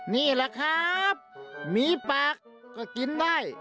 นี่แหละครับมีปากก็กินได้